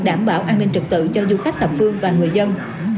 đảm bảo an ninh trực tự cho du khách thập phương và người dân